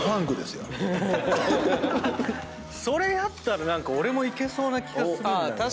それやったら俺もいけそうな気がする。